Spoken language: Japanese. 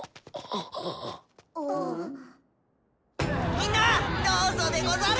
みんなどうぞでござる！